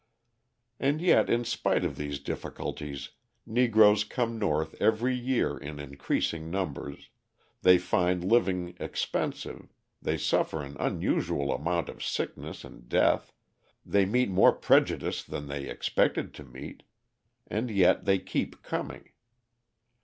And yet in spite of these difficulties, Negroes come North every year in increasing numbers, they find living expensive, they suffer an unusual amount of sickness and death, they meet more prejudice than they expected to meet, and yet they keep coming.